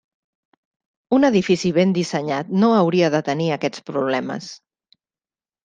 Un edifici ben dissenyat no hauria de tenir aquests problemes.